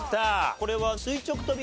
これは垂直跳び。